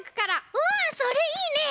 うんそれいいね！